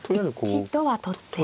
一度は取って。